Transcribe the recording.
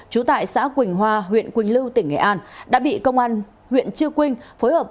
trú tại xã quỳnh hoa huyện quỳnh lưu tỉnh nghệ an đã bị công an huyện chư quynh phối hợp